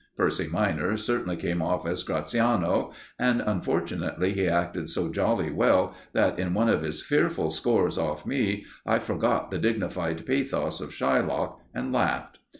Percy minor certainly came off as Gratiano, and unfortunately he acted so jolly well that, in one of his fearful scores off me, I forgot the dignified pathos of Shylock, and laughed.